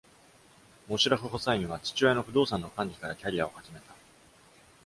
モシュラフ・ホサインは、父親の不動産の管理からキャリアを始めた。